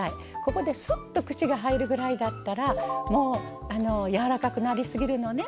ここで、すっと串が入るぐらいだったらもう、やわらかくなりすぎるのね。